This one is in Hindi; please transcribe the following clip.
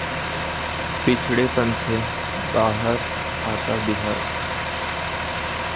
पिछड़ेपन से बाहर आता बिहार